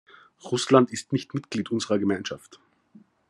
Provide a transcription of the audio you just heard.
Russland ist nicht Mitglied unserer Gemeinschaft.